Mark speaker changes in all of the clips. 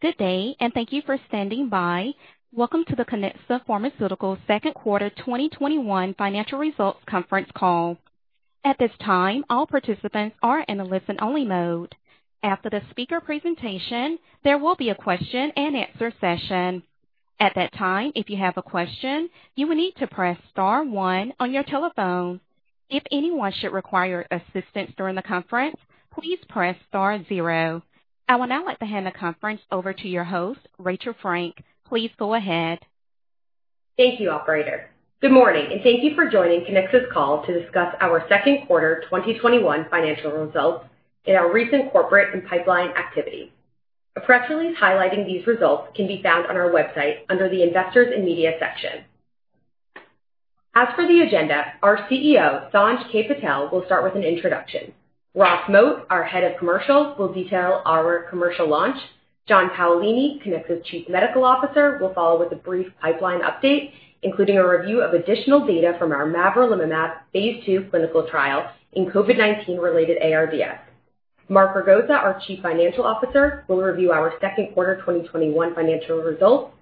Speaker 1: Good day. Thank you for standing by. Welcome to the Kiniksa Pharmaceuticals second quarter 2021 financial results conference call. At this time, all participants are in a listen-only mode. After the speaker presentation, there will be a question and answer session. At that time, if you have a question, you will need to press star one on your telephone. If anyone should require assistance during the conference, please press star zero. I would now like to hand the conference over to your host, Rachel Frank. Please go ahead.
Speaker 2: Thank you, operator. Good morning, thank you for joining Kiniksa's call to discuss our second quarter 2021 financial results and our recent corporate and pipeline activity. A press release highlighting these results can be found on our website under the Investors and Media section. As for the agenda, our CEO, Sanj K. Patel, will start with an introduction. Ross Moat, our Head of Commercial, will detail our commercial launch. John Paolini, Kiniksa's Chief Medical Officer, will follow with a brief pipeline update, including a review of additional data from our mavrilimumab phase II clinical trial in COVID-19-related ARDS. Mark Ragosa, our Chief Financial Officer, will review our second quarter 2021 financial results.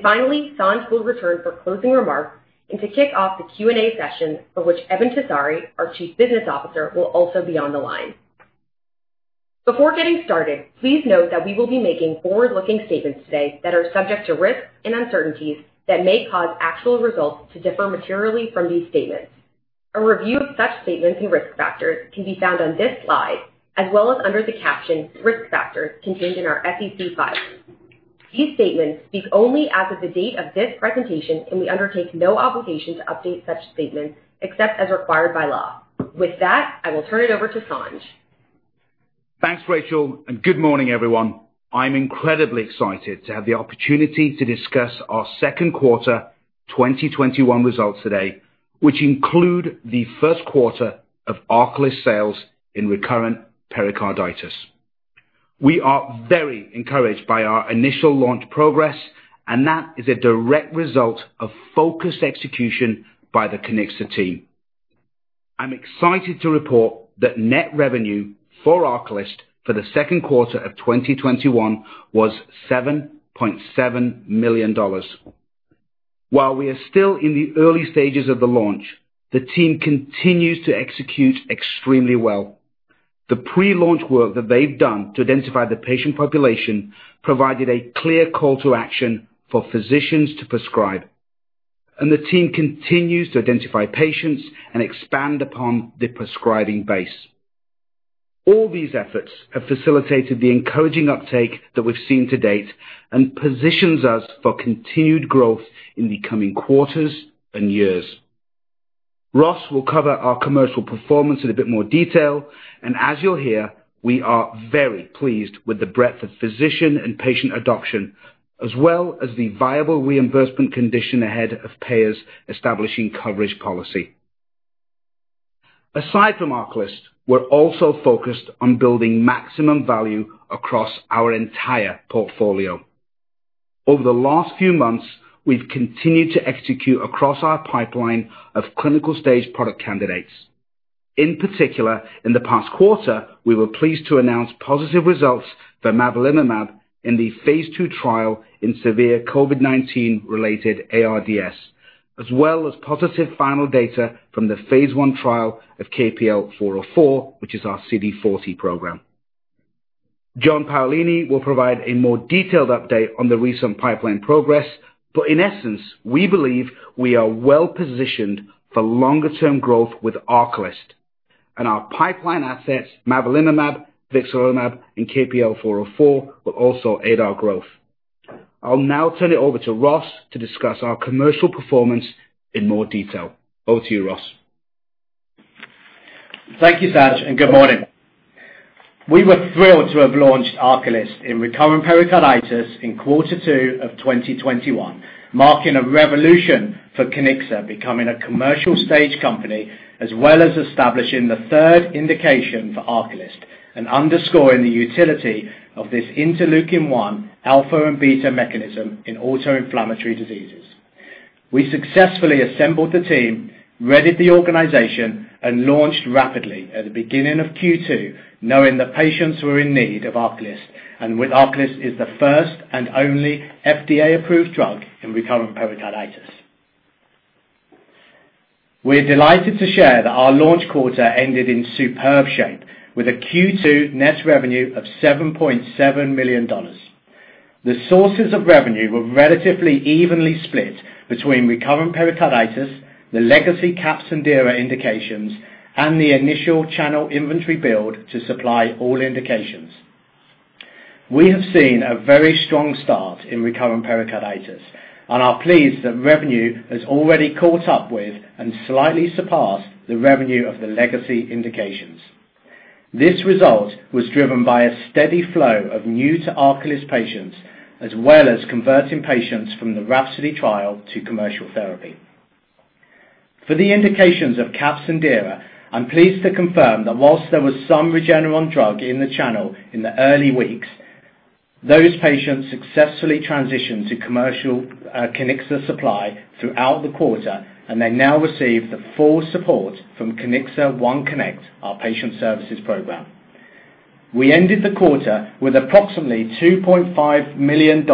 Speaker 2: Finally, Sanj will return for closing remarks and to kick off the Q&A session for which Eben Tessari, our Chief Business Officer, will also be on the line. Before getting started, please note that we will be making forward-looking statements today that are subject to risks and uncertainties that may cause actual results to differ materially from these statements. A review of such statements and risk factors can be found on this slide, as well as under the caption Risk Factors contained in our SEC files. These statements speak only as of the date of this presentation, and we undertake no obligation to update such statements except as required by law. With that, I will turn it over to Sanj.
Speaker 3: Thanks, Rachel. Good morning, everyone. I'm incredibly excited to have the opportunity to discuss our second quarter 2021 results today, which include the first quarter of ARCALYST sales in recurrent pericarditis. We are very encouraged by our initial launch progress, and that is a direct result of focused execution by the Kiniksa team. I'm excited to report that net revenue for ARCALYST for the second quarter of 2021 was $7.7 million. While we are still in the early stages of the launch, the team continues to execute extremely well. The pre-launch work that they've done to identify the patient population provided a clear call to action for physicians to prescribe. The team continues to identify patients and expand upon the prescribing base. All these efforts have facilitated the encouraging uptake that we've seen to date and positions us for continued growth in the coming quarters and years. Ross will cover our commercial performance in a bit more detail. As you'll hear, we are very pleased with the breadth of physician and patient adoption as well as the viable reimbursement condition ahead of payers establishing coverage policy. Aside from ARCALYST, we're also focused on building maximum value across our entire portfolio. Over the last few months, we've continued to execute across our pipeline of clinical-stage product candidates. In particular, in the past quarter, we were pleased to announce positive results for mavrilimumab in the phase II trial in severe COVID-19 related ARDS, as well as positive final data from the phase I trial of KPL-404, which is our CD40 program. John Paolini will provide a more detailed update on the recent pipeline progress. In essence, we believe we are well-positioned for longer-term growth with ARCALYST and our pipeline assets, mavrilimumab, vixarelimab, and KPL-404 will also aid our growth. I'll now turn it over to Ross to discuss our commercial performance in more detail. Over to you, Ross.
Speaker 4: Thank you, Sanj, and good morning. We were thrilled to have launched ARCALYST in recurrent pericarditis in quarter two of 2021, marking a revolution for Kiniksa becoming a commercial stage company as well as establishing the third indication for ARCALYST and underscoring the utility of this interleukin-1 alpha and beta mechanism in autoinflammatory diseases. We successfully assembled the team, readied the organization, and launched rapidly at the beginning of Q2, knowing that patients were in need of ARCALYST, and with ARCALYST is the first and only FDA-approved drug in recurrent pericarditis. We're delighted to share that our launch quarter ended in superb shape with a Q2 net revenue of $7.7 million. The sources of revenue were relatively evenly split between recurrent pericarditis, the legacy CAPS and DIRA indications, and the initial channel inventory build to supply all indications. We have seen a very strong start in recurrent pericarditis and are pleased that revenue has already caught up with and slightly surpassed the revenue of the legacy indications. This result was driven by a steady flow of new-to-ARCALYST patients as well as converting patients from the RHAPSODY trial to commercial therapy. For the indications of CAPS and DIRA, I'm pleased to confirm that whilst there was some Regeneron drug in the channel in the early weeks, those patients successfully transitioned to commercial Kiniksa supply throughout the quarter, and they now receive the full support from Kiniksa OneConnect, our patient services program. We ended the quarter with approximately $2.5 million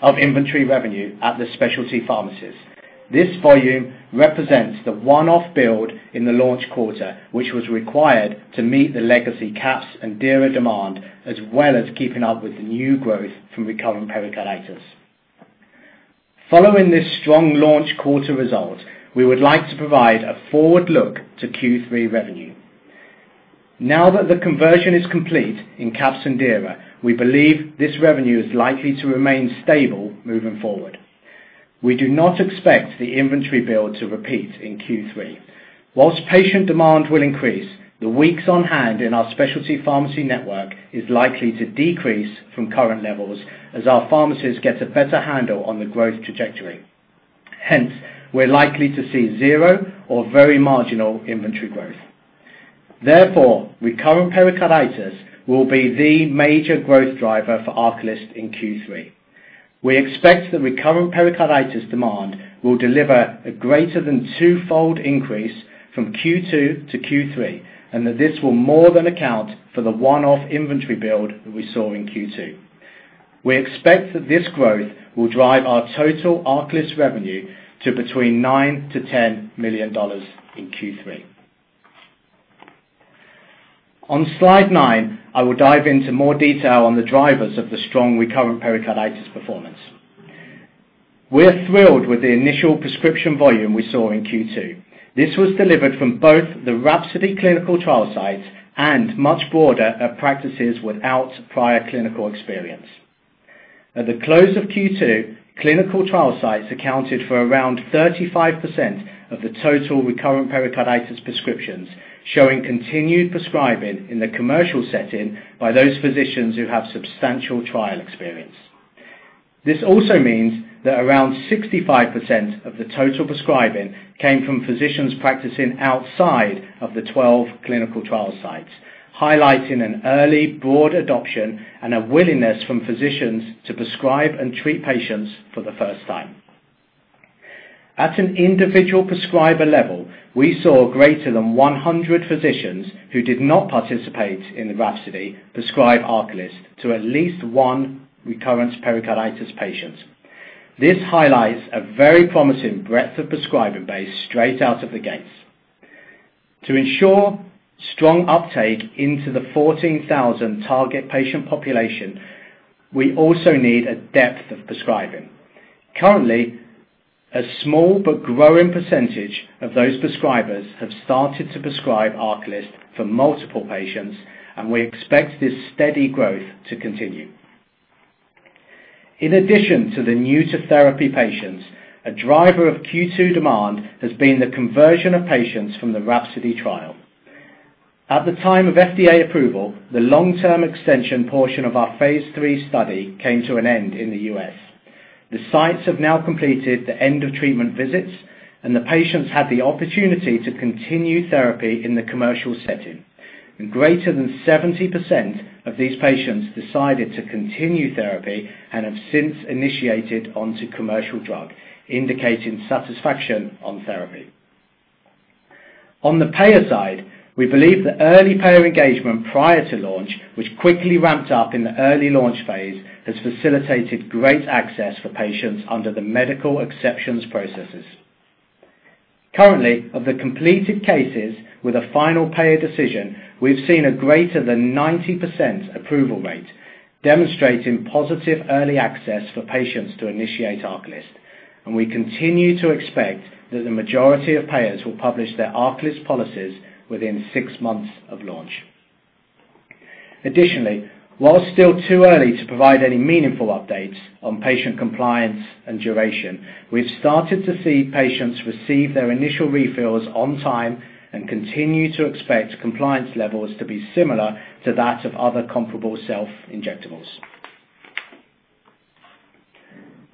Speaker 4: of inventory revenue at the specialty pharmacies. This volume represents the one-off build in the launch quarter, which was required to meet the legacy CAPS and DIRA demand, as well as keeping up with the new growth from recurrent pericarditis. Following this strong launch quarter result, we would like to provide a forward look to Q3 revenue. Now that the conversion is complete in CAPS and DIRA, we believe this revenue is likely to remain stable moving forward. We do not expect the inventory build to repeat in Q3. While patient demand will increase, the weeks on hand in our specialty pharmacy network is likely to decrease from current levels as our pharmacies get a better handle on the growth trajectory. Hence, we're likely to see zero or very marginal inventory growth. Therefore, recurrent pericarditis will be the major growth driver for ARCALYST in Q3. We expect the recurrent pericarditis demand will deliver a greater than twofold increase from Q2 to Q3, and that this will more than account for the one-off inventory build that we saw in Q2. We expect that this growth will drive our total ARCALYST revenue to between $9 million-$10 million in Q3. On slide nine, I will dive into more detail on the drivers of the strong recurrent pericarditis performance. We're thrilled with the initial prescription volume we saw in Q2. This was delivered from both the RHAPSODY clinical trial sites and much broader at practices without prior clinical experience. At the close of Q2, clinical trial sites accounted for around 35% of the total recurrent pericarditis prescriptions, showing continued prescribing in the commercial setting by those physicians who have substantial trial experience. This also means that around 65% of the total prescribing came from physicians practicing outside of the 12 clinical trial sites, highlighting an early broad adoption and a willingness from physicians to prescribe and treat patients for the first time. At an individual prescriber level, we saw greater than 100 physicians who did not participate in the RHAPSODY prescribe ARCALYST to at least one recurrent pericarditis patient. This highlights a very promising breadth of prescribing base straight out of the gates. To ensure strong uptake into the 14,000 target patient population, we also need a depth of prescribing. Currently, a small but growing percentage of those prescribers have started to prescribe ARCALYST for multiple patients. We expect this steady growth to continue. In addition to the new-to-therapy patients, a driver of Q2 demand has been the conversion of patients from the RHAPSODY trial. At the time of FDA approval, the long-term extension portion of our phase III study came to an end in the U.S. The sites have now completed the end-of-treatment visits, and the patients had the opportunity to continue therapy in the commercial setting, and greater than 70% of these patients decided to continue therapy and have since initiated onto commercial drug, indicating satisfaction on therapy. On the payer side, we believe the early payer engagement prior to launch, which quickly ramped up in the early launch phase, has facilitated great access for patients under the medical exceptions processes. Currently, of the completed cases with a final payer decision, we've seen a greater than 90% approval rate, demonstrating positive early access for patients to initiate ARCALYST, and we continue to expect that the majority of payers will publish their ARCALYST policies within six months of launch. While it's still too early to provide any meaningful updates on patient compliance and duration, we've started to see patients receive their initial refills on time and continue to expect compliance levels to be similar to that of other comparable self-injectables.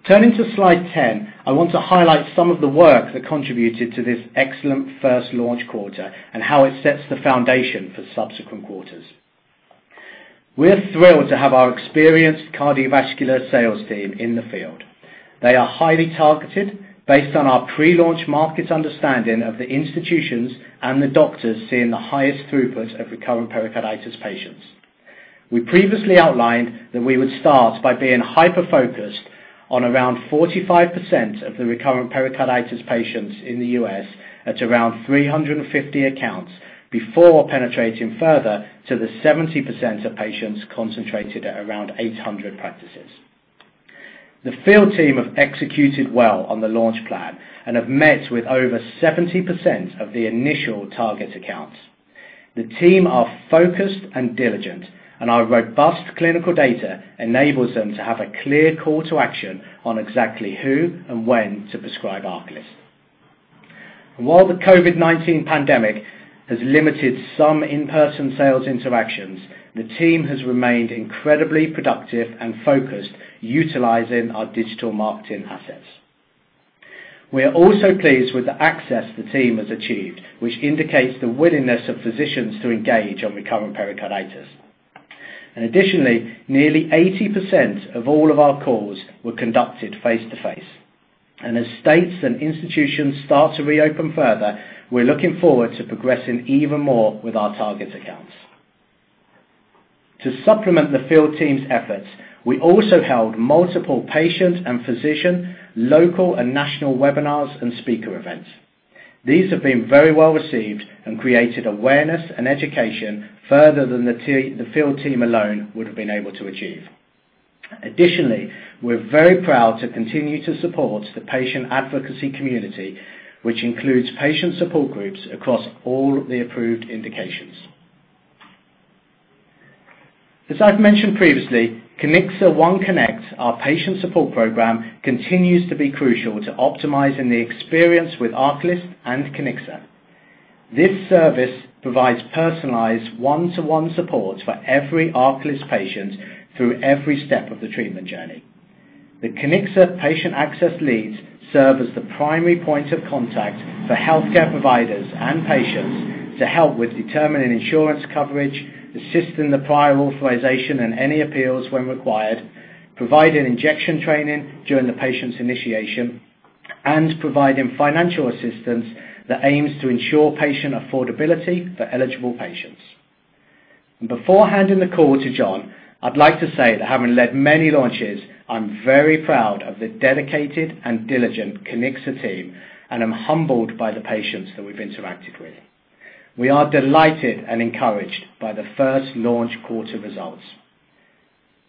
Speaker 4: Turning to slide 10, I want to highlight some of the work that contributed to this excellent first launch quarter and how it sets the foundation for subsequent quarters. We're thrilled to have our experienced cardiovascular sales team in the field. They are highly targeted based on our pre-launch market understanding of the institutions and the doctors seeing the highest throughput of recurrent pericarditis patients. We previously outlined that we would start by being hyper-focused on around 45% of the recurrent pericarditis patients in the U.S. at around 350 accounts before penetrating further to the 70% of patients concentrated at around 800 practices. The field team have executed well on the launch plan and have met with over 70% of the initial target accounts. The team are focused and diligent, our robust clinical data enables them to have a clear call to action on exactly who and when to prescribe ARCALYST. While the COVID-19 pandemic has limited some in-person sales interactions, the team has remained incredibly productive and focused utilizing our digital marketing assets. We are also pleased with the access the team has achieved, which indicates the willingness of physicians to engage on recurrent pericarditis. Additionally, nearly 80% of all of our calls were conducted face-to-face. As states and institutions start to reopen further, we're looking forward to progressing even more with our target accounts. To supplement the field team's efforts, we also held multiple patient and physician, local and national webinars and speaker events. These have been very well-received and created awareness and education further than the field team alone would've been able to achieve. Additionally, we're very proud to continue to support the patient advocacy community, which includes patient support groups across all the approved indications. As I've mentioned previously, Kiniksa OneConnect, our patient support program, continues to be crucial to optimizing the experience with ARCALYST and Kiniksa. This service provides personalized one-to-one support for every ARCALYST patient through every step of the treatment journey. The Kiniksa patient access leads serve as the primary point of contact for healthcare providers and patients to help with determining insurance coverage, assisting the prior authorization and any appeals when required, providing injection training during the patient's initiation, and providing financial assistance that aims to ensure patient affordability for eligible patients. Before handing the call to John, I'd like to say that having led many launches, I'm very proud of the dedicated and diligent Kiniksa team, and I'm humbled by the patients that we've interacted with. We are delighted and encouraged by the first launch quarter results.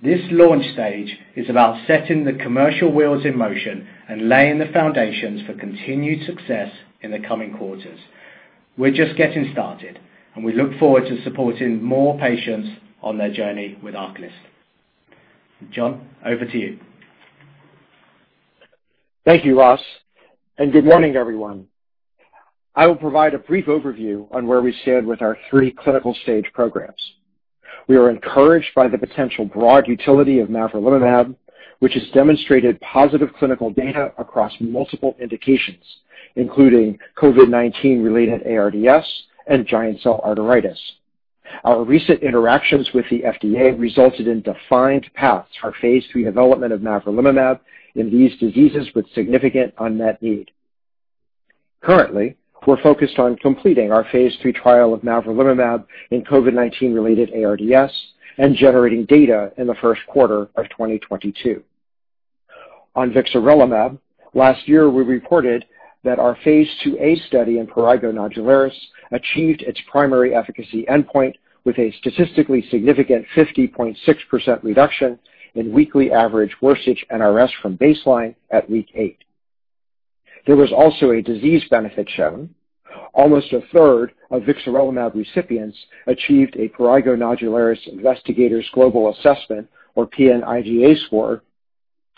Speaker 4: This launch stage is about setting the commercial wheels in motion and laying the foundations for continued success in the coming quarters. We're just getting started, and we look forward to supporting more patients on their journey with ARCALYST. John, over to you.
Speaker 5: Thank you, Ross. Good morning, everyone. I will provide a brief overview on where we stand with our three clinical stage programs. We are encouraged by the potential broad utility of mavrilimumab, which has demonstrated positive clinical data across multiple indications, including COVID-19-related ARDS and giant cell arteritis. Our recent interactions with the FDA resulted in defined paths for phase III development of mavrilimumab in these diseases with significant unmet need. Currently, we're focused on completing our phase III trial of mavrilimumab in COVID-19-related ARDS and generating data in the first quarter of 2022. On vixarelimab, last year, we reported that our phase II-A study in prurigo nodularis achieved its primary efficacy endpoint with a statistically significant 50.6% reduction in weekly average worst itch NRS from baseline at week eight. There was also a disease benefit shown. Almost a third of vixarelimab recipients achieved a Prurigo Nodularis Investigators' Global Assessment, or PNIGA score,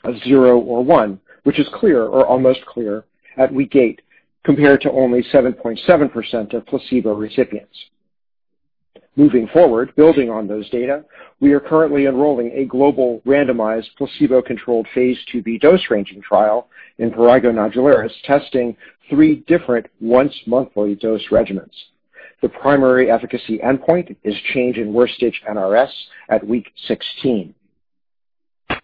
Speaker 5: of zero or one, which is clear or almost clear at week eight, compared to only 7.7% of placebo recipients. Moving forward, building on those data, we are currently enrolling a global randomized, placebo-controlled phase II-B dose ranging trial in prurigo nodularis, testing three different once-monthly dose regimens. The primary efficacy endpoint is change in worst itch NRS at week 16.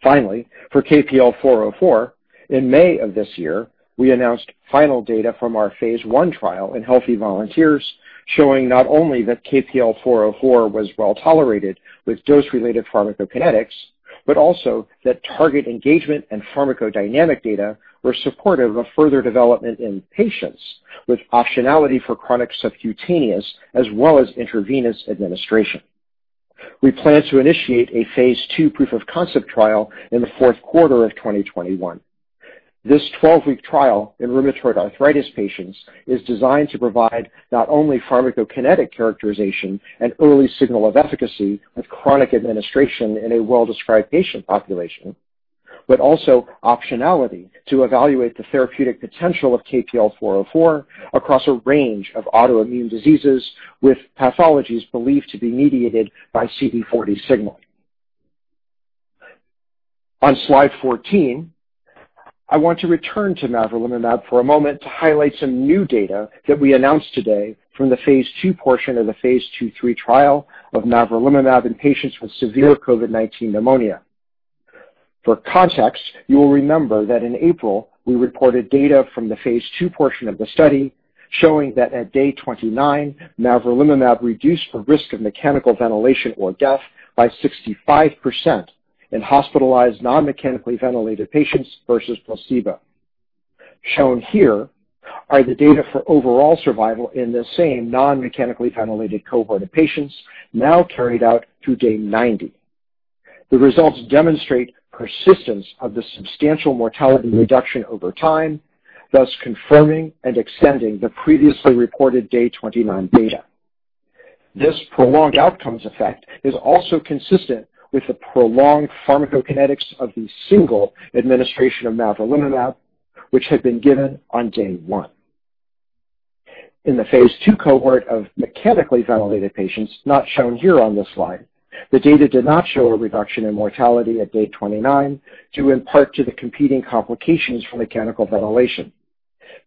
Speaker 5: For KPL-404, in May of this year, we announced final data from our phase I trial in healthy volunteers, showing not only that KPL-404 was well-tolerated with dose-related pharmacokinetics, but also that target engagement and pharmacodynamic data were supportive of further development in patients with optionality for chronic subcutaneous as well as intravenous administration. We plan to initiate a phase II proof of concept trial in the fourth quarter of 2021. This 12-week trial in rheumatoid arthritis patients is designed to provide not only pharmacokinetic characterization and early signal of efficacy of chronic administration in a well-described patient population, but also optionality to evaluate the therapeutic potential of KPL-404 across a range of autoimmune diseases with pathologies believed to be mediated by CD40 signaling. On slide 14, I want to return to mavrilimumab for a moment to highlight some new data that we announced today from the phase II portion of the phase II/III trial of mavrilimumab in patients with severe COVID-19 pneumonia. For context, you will remember that in April, we reported data from the phase II portion of the study showing that at day 29, mavrilimumab reduced the risk of mechanical ventilation or death by 65% in hospitalized, non-mechanically ventilated patients versus placebo. Shown here are the data for overall survival in the same non-mechanically ventilated cohort of patients now carried out through day 90. The results demonstrate persistence of the substantial mortality reduction over time, thus confirming and extending the previously reported day 29 data. This prolonged outcomes effect is also consistent with the prolonged pharmacokinetics of the single administration of mavrilimumab, which had been given on day one. In the phase II cohort of mechanically ventilated patients, not shown here on this slide, the data did not show a reduction in mortality at day 29 due in part to the competing complications from mechanical ventilation.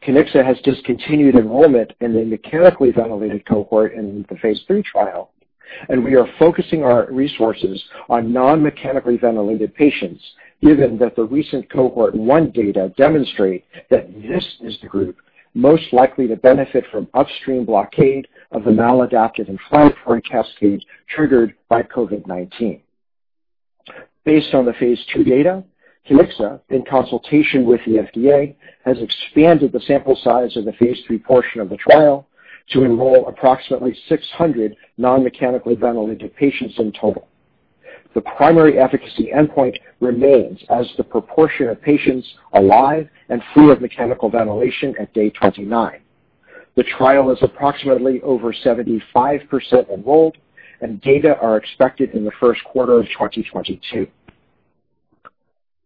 Speaker 5: Kiniksa has just continued enrollment in the mechanically ventilated cohort in the phase III trial, and we are focusing our resources on non-mechanically ventilated patients, given that the recent cohort one data demonstrate that this is the group most likely to benefit from upstream blockade of the maladaptive inflammatory cascade triggered by COVID-19. Based on the phase II data, Kiniksa, in consultation with the FDA, has expanded the sample size of the phase III portion of the trial to enroll approximately 600 non-mechanically ventilated patients in total. The primary efficacy endpoint remains as the proportion of patients alive and free of mechanical ventilation at day 29. The trial is approximately over 75% enrolled, and data are expected in the first quarter of 2022.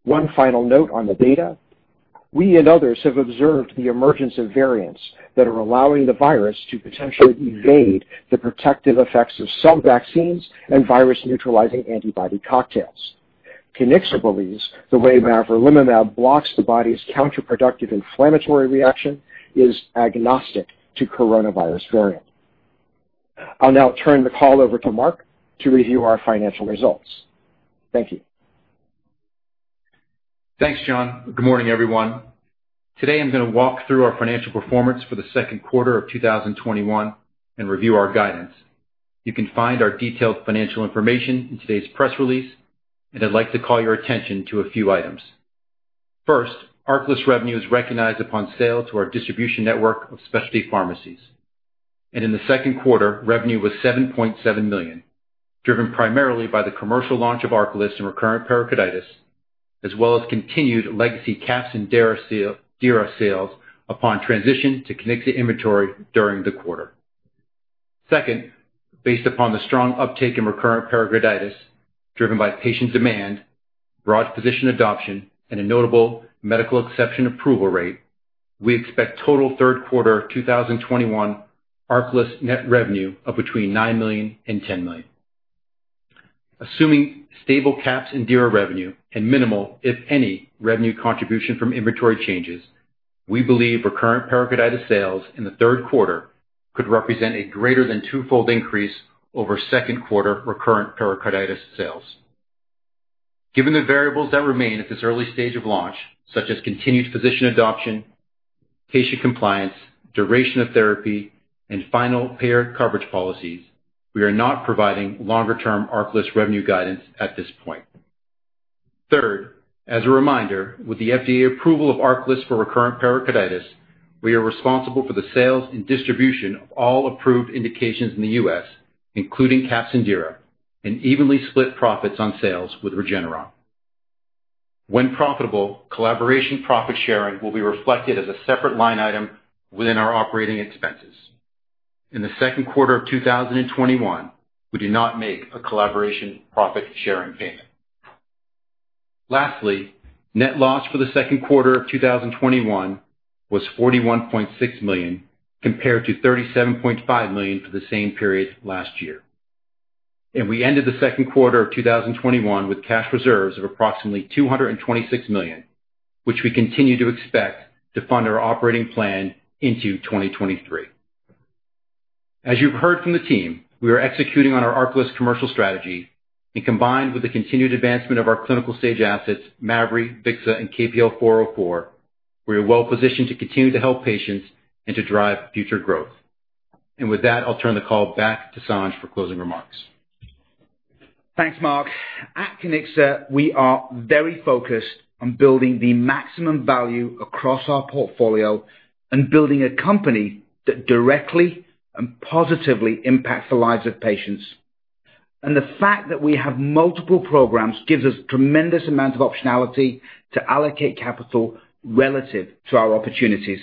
Speaker 5: One final note on the data. We and others have observed the emergence of variants that are allowing the virus to potentially evade the protective effects of some vaccines and virus-neutralizing antibody cocktails. Kiniksa believes the way mavrilimumab blocks the body's counterproductive inflammatory reaction is agnostic to coronavirus variant. I'll now turn the call over to Mark to review our financial results. Thank you.
Speaker 6: Thanks, John. Good morning, everyone. Today, I'm going to walk through our financial performance for the second quarter of 2021 and review our guidance. You can find our detailed financial information in today's press release. I'd like to call your attention to a few items. First, ARCALYST revenue is recognized upon sale to our distribution network of specialty pharmacies. In the second quarter, revenue was $7.7 million, driven primarily by the commercial launch of ARCALYST in recurrent pericarditis, as well as continued legacy CAPS and DIRA sales upon transition to Kiniksa inventory during the quarter. Second, based upon the strong uptake in recurrent pericarditis, driven by patient demand, broad physician adoption, and a notable medical exception approval rate, we expect total third quarter 2021 ARCALYST net revenue of between $9 million and $10 million. Assuming stable CAPS and DIRA revenue and minimal, if any, revenue contribution from inventory changes, we believe recurrent pericarditis sales in the third quarter could represent a greater than twofold increase over second quarter recurrent pericarditis sales. Given the variables that remain at this early stage of launch, such as continued physician adoption, patient compliance, duration of therapy, and final payer coverage policies, we are not providing longer-term ARCALYST revenue guidance at this point. Third, as a reminder, with the FDA approval of ARCALYST for recurrent pericarditis, we are responsible for the sales and distribution of all approved indications in the U.S., including CAPS and DIRA, and evenly split profits on sales with Regeneron. When profitable, collaboration profit sharing will be reflected as a separate line item within our operating expenses. In the second quarter of 2021, we did not make a collaboration profit-sharing payment. Lastly, net loss for the second quarter of 2021 was $41.6 million, compared to $37.5 million for the same period last year. We ended the second quarter of 2021 with cash reserves of approximately $226 million, which we continue to expect to fund our operating plan into 2023. As you've heard from the team, we are executing on our ARCALYST commercial strategy and combined with the continued advancement of our clinical-stage assets, mavrilimumab, vixarelimab, and KPL-404, we are well-positioned to continue to help patients and to drive future growth. With that, I'll turn the call back to Sanj for closing remarks.
Speaker 3: Thanks, Mark. At Kiniksa, we are very focused on building the maximum value across our portfolio and building a company that directly and positively impacts the lives of patients. The fact that we have multiple programs gives us tremendous amount of optionality to allocate capital relative to our opportunities.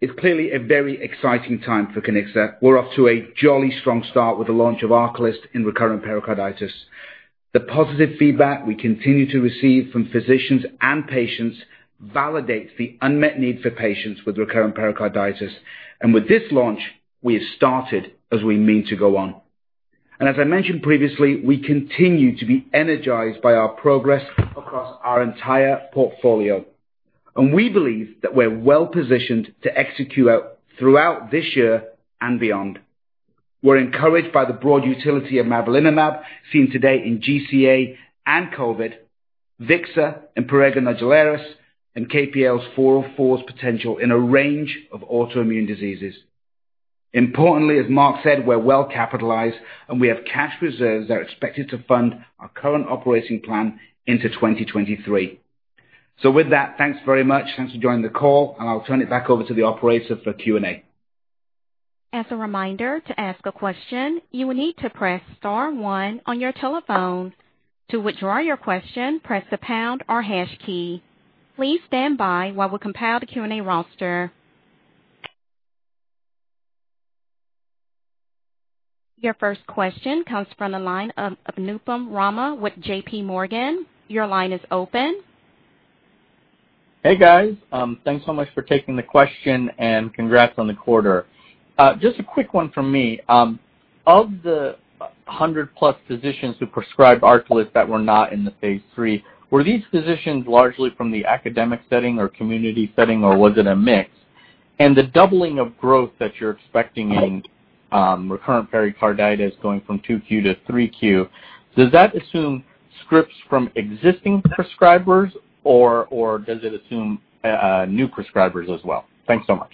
Speaker 3: It's clearly a very exciting time for Kiniksa. We're off to a jolly strong start with the launch of ARCALYST in recurrent pericarditis. The positive feedback we continue to receive from physicians and patients validates the unmet need for patients with recurrent pericarditis. With this launch, we have started as we mean to go on. As I mentioned previously, we continue to be energized by our progress across our entire portfolio. We believe that we're well-positioned to execute out throughout this year and beyond. We're encouraged by the broad utility of mavrilimumab seen today in GCA and COVID, vixarelimab in prurigo nodularis, and KPL-404's potential in a range of autoimmune diseases. Importantly, as Mark said, we're well-capitalized, and we have cash reserves that are expected to fund our current operating plan into 2023. With that, thanks very much. Thanks for joining the call, and I'll turn it back over to the operator for Q&A.
Speaker 1: Your first question comes from the line of Anupam Rama with JPMorgan. Your line is open.
Speaker 7: Hey, guys. Thanks so much for taking the question and congrats on the quarter. Just a quick one from me. Of the 100-plus physicians who prescribe ARCALYST that were not in the phase III, were these physicians largely from the academic setting or community setting, or was it a mix? The doubling of growth that you're expecting in recurrent pericarditis going from 2Q to 3Q, does that assume scripts from existing prescribers, or does it assume new prescribers as well? Thanks so much.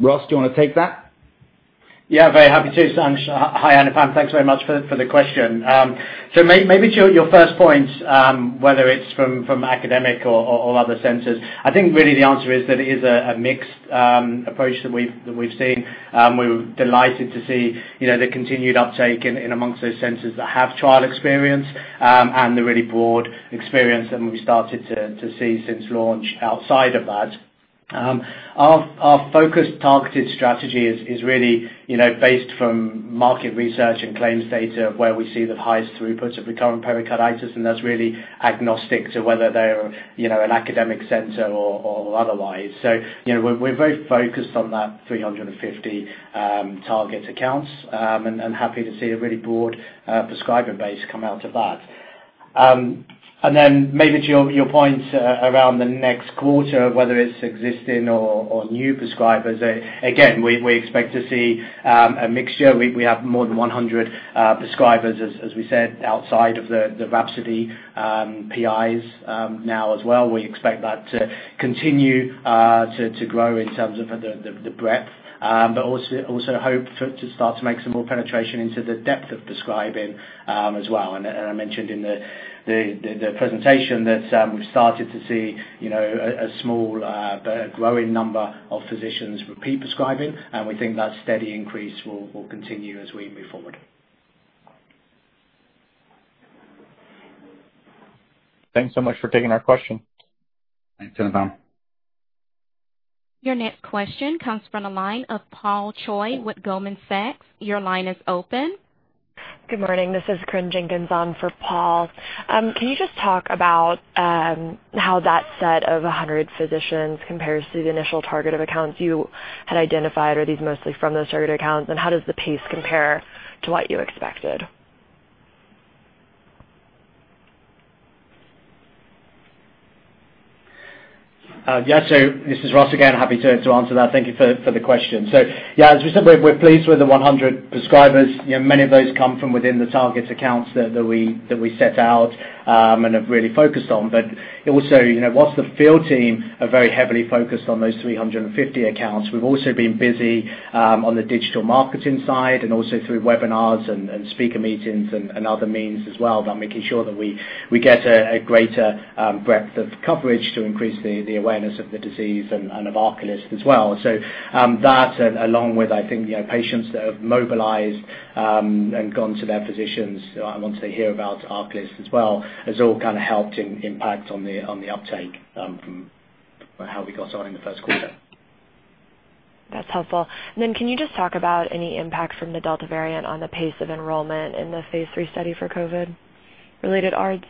Speaker 3: Ross, do you want to take that?
Speaker 4: Very happy to, Sanj. Hi, Anupam Rama. Thanks very much for the question. Maybe to your first point, whether it's from academic or other centers, I think really the answer is that it is a mixed approach that we've seen. We're delighted to see the continued uptake in amongst those centers that have trial experience and the really broad experience that we started to see since launch outside of that. Our focused targeted strategy is really based from market research and claims data, where we see the highest throughputs of recurrent pericarditis, and that's really agnostic to whether they're an academic center or otherwise. We're very focused on that 350 target accounts and happy to see a really broad prescriber base come out of that. Maybe to your point around the next quarter, whether it's existing or new prescribers, again, we expect to see a mixture. We have more than 100 prescribers, as we said, outside of the RHAPSODY PIs now as well. We expect that to continue to grow in terms of the breadth. Also hope to start to make some more penetration into the depth of prescribing as well. I mentioned in the presentation that we've started to see a small but a growing number of physicians repeat prescribing, and we think that steady increase will continue as we move forward.
Speaker 7: Thanks so much for taking our question.
Speaker 3: Thanks, Anupam.
Speaker 1: Your next question comes from the line of Paul Choi with Goldman Sachs. Your line is open.
Speaker 8: Good morning. This is Corinne Jenkins on for Paul. Can you just talk about how that set of 100 physicians compares to the initial target of accounts you had identified? Are these mostly from those targeted accounts, and how does the pace compare to what you expected?
Speaker 4: Yeah. This is Ross again. Happy to answer that. Thank you for the question. As we said, we're pleased with the 100 prescribers. Many of those come from within the target accounts that we set out and have really focused on. Also, whilst the field team are very heavily focused on those 350 accounts, we've also been busy on the digital marketing side and also through webinars and speaker meetings and other means as well, about making sure that we get a greater breadth of coverage to increase the awareness of the disease and of ARCALYST as well. That, along with, I think patients that have mobilized and gone to their physicians once they hear about ARCALYST as well, has all helped impact on the uptake from how we got on in the first quarter.
Speaker 8: That's helpful. Can you just talk about any impact from the Delta variant on the pace of enrollment in the phase III study for COVID-related ARDS?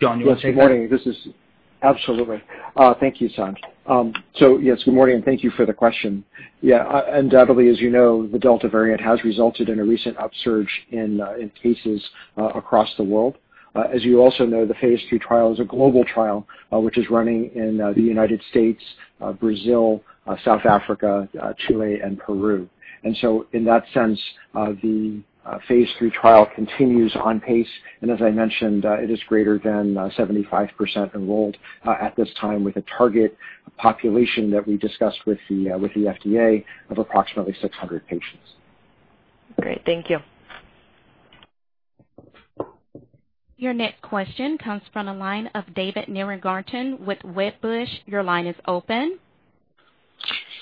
Speaker 3: John, do you want to take that?
Speaker 5: Yes, good morning. Absolutely. Thank you, Sanj. Yes, good morning, and thank you for the question. Undoubtedly, as you know, the Delta variant has resulted in a recent upsurge in cases across the world. As you also know, the phase III trial is a global trial, which is running in the U.S., Brazil, South Africa, Chile, and Peru. In that sense, the phase III trial continues on pace, and as I mentioned, it is greater than 75% enrolled at this time with a target population that we discussed with the FDA of approximately 600 patients.
Speaker 8: Great. Thank you.
Speaker 1: Your next question comes from the line of David Nierengarten with Wedbush. Your line is open.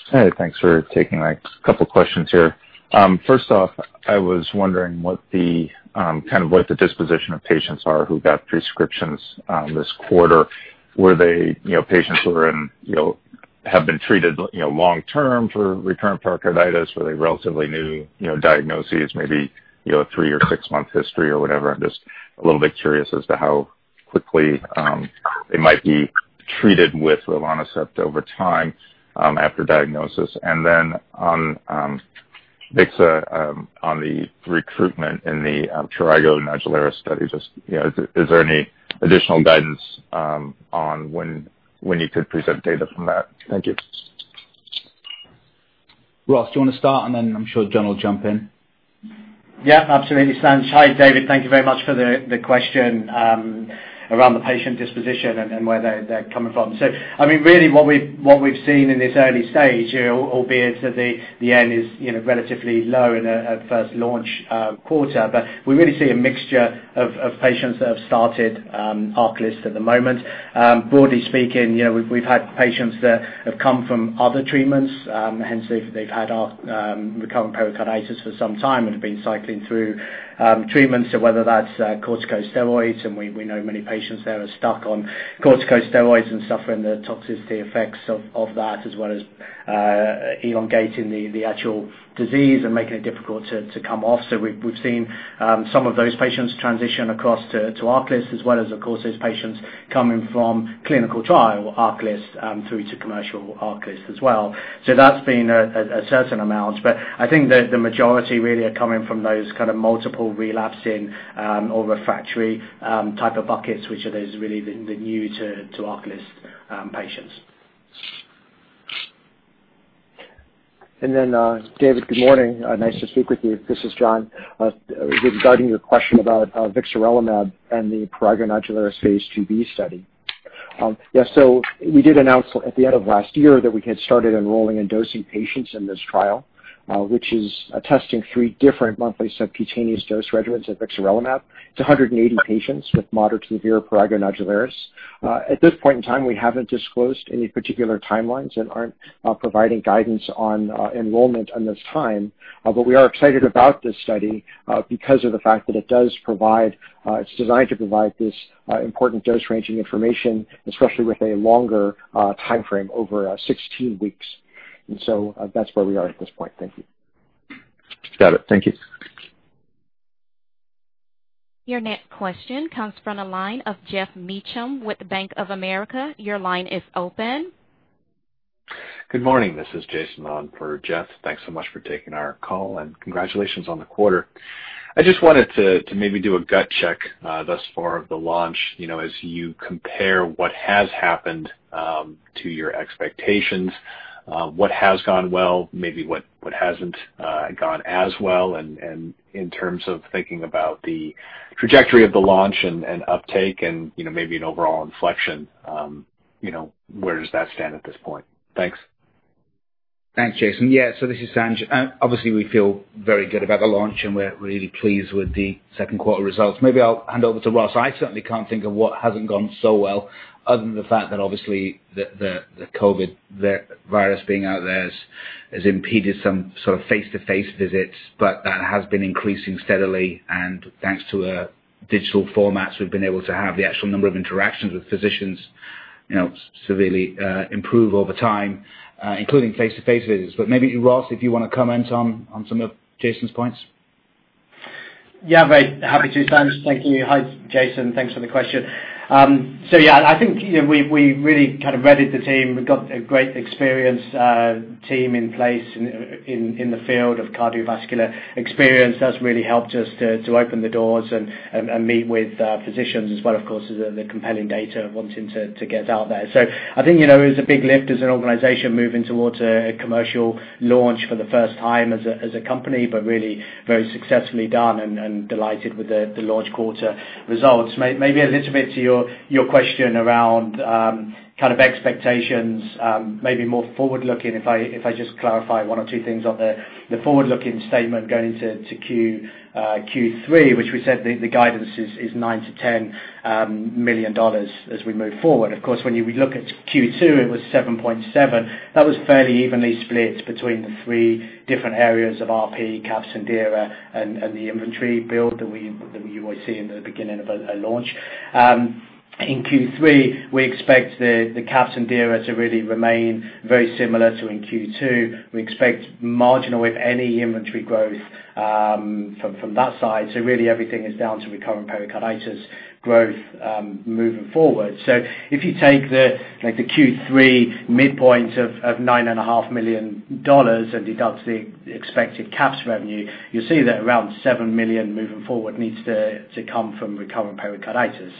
Speaker 9: Hey, thanks for taking my couple questions here. First off, I was wondering what the disposition of patients are who got prescriptions this quarter. Were they patients who have been treated long-term for recurrent pericarditis? Were they relatively new diagnoses, maybe a three or six-month history or whatever? I'm just a little bit curious as to how quickly they might be treated with rilonacept over time after diagnosis. Then on vixarelimab, on the recruitment in the prurigo nodularis study, just is there any additional guidance on when you could present data from that? Thank you.
Speaker 3: Ross, do you want to start, and then I'm sure John will jump in.
Speaker 4: Absolutely, Sanj. Hi, David. Thank you very much for the question around the patient disposition and where they're coming from. Really, what we've seen in this early stage, albeit the N is relatively low in a first launch quarter, but we really see a mixture of patients that have started ARCALYST at the moment. Broadly speaking, we've had patients that have come from other treatments. Hence, they've had recurrent pericarditis for some time and have been cycling through treatments, whether that's corticosteroids, and we know many patients there are stuck on corticosteroids and suffering the toxicity effects of that, as well as elongating the actual disease and making it difficult to come off. We've seen some of those patients transition across to ARCALYST as well as, of course, those patients coming from clinical trial ARCALYST through to commercial ARCALYST as well. That's been a certain amount, but I think that the majority really are coming from those kind of multiple relapsing or refractory type of buckets, which are those really the new-to-ARCALYST patients.
Speaker 5: David Nierengarten, good morning. Nice to speak with you. This is John. Regarding your question about vixarelimab and the prurigo nodularis phase II-B study. We did announce at the end of last year that we had started enrolling and dosing patients in this trial, which is testing three different monthly subcutaneous dose regimens of vixarelimab to 180 patients with moderate to severe prurigo nodularis. At this point in time, we haven't disclosed any particular timelines and aren't providing guidance on enrollment at this time. We are excited about this study because of the fact that it's designed to provide this important dose-ranging information, especially with a longer timeframe over 16 weeks. That's where we are at this point. Thank you.
Speaker 9: Got it. Thank you.
Speaker 1: Your next question comes from the line of Geoff Meacham with Bank of America. Your line is open.
Speaker 10: Good morning. This is Jason on for Geoff. Thanks so much for taking our call, and congratulations on the quarter. I just wanted to maybe do a gut check thus far of the launch. As you compare what has happened to your expectations, what has gone well, maybe what hasn't gone as well, and in terms of thinking about the trajectory of the launch and uptake and maybe an overall inflection, where does that stand at this point? Thanks.
Speaker 3: Thanks, Jason. This is Sanj. We feel very good about the launch, and we're really pleased with the second quarter results. Maybe I'll hand over to Ross. I certainly can't think of what hasn't gone so well, other than the fact that obviously, the COVID, the virus being out there has impeded some sort of face-to-face visits, but that has been increasing steadily. Thanks to digital formats, we've been able to have the actual number of interactions with physicians severely improve over time, including face-to-face visits. Maybe, Ross, if you want to comment on some of Jason's points.
Speaker 4: Very happy to, Sanj. Thank you. Hi, Jason. Thanks for the question. I think we really readied the team. We've got a great experienced team in place in the field of cardiovascular experience. That's really helped us to open the doors and meet with physicians as well, of course, as the compelling data wanting to get out there. I think it was a big lift as an organization moving towards a commercial launch for the first time as a company, but really very successfully done and delighted with the launch quarter results. Maybe a little bit to your question around expectations, maybe more forward-looking, if I just clarify one or two things on the forward-looking statement going into Q3, which we said the guidance is $9 million-$10 million as we move forward. Of course, when you would look at Q2, it was $7.7 million. That was fairly evenly split between the three different areas of RP, CAPS and DIRA, and the inventory build that you always see in the beginning of a launch. In Q3, we expect the CAPS and DIRA to really remain very similar to in Q2. We expect marginal, if any, inventory growth from that side. Really everything is down to recurrent pericarditis growth moving forward. If you take the Q3 midpoint of $9.5 million and deduct the expected CAPS revenue, you'll see that around $7 million moving forward needs to come from recurrent pericarditis.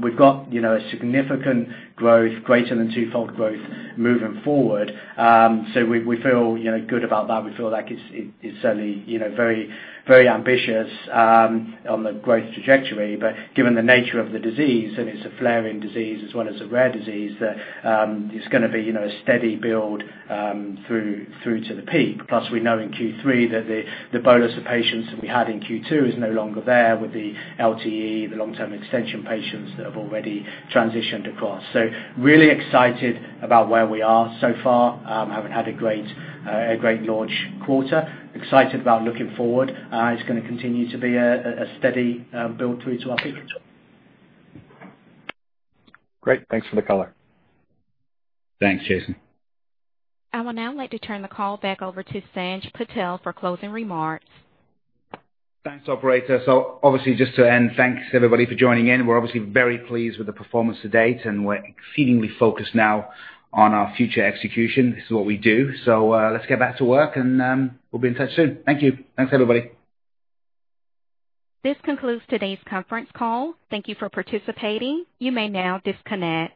Speaker 4: We've got a significant growth, greater than twofold growth moving forward. We feel good about that. We feel like it's certainly very ambitious on the growth trajectory. Given the nature of the disease, and it's a flaring disease as well as a rare disease, that it's going to be a steady build through to the peak. We know in Q3 that the bolus of patients that we had in Q2 is no longer there with the LTE, the long-term extension patients that have already transitioned across. Really excited about where we are so far, having had a great launch quarter. Excited about looking forward. It's going to continue to be a steady build through to our peak.
Speaker 10: Great. Thanks for the color.
Speaker 3: Thanks, Jason.
Speaker 1: I would now like to turn the call back over to Sanj Patel for closing remarks.
Speaker 3: Thanks, operator. Obviously, just to end, thanks, everybody, for joining in. We're obviously very pleased with the performance to date, and we're exceedingly focused now on our future execution. This is what we do. Let's get back to work, and we'll be in touch soon. Thank you. Thanks, everybody.
Speaker 1: This concludes today's conference call. Thank you for participating. You may now disconnect.